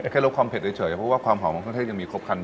แค่ลดความเผ็ดเฉยเพราะว่าความหอมของเครื่องเทศยังมีครบคัน